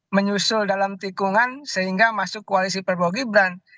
menyusul dalam tikungan sehingga masuk koalisi prabowo gibran